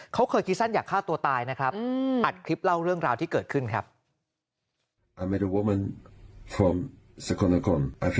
เขาเคยคิดสั้นอยากฆ่าตัวตายนะครับอัดคลิปเล่าเรื่องราวที่เกิดขึ้นครับ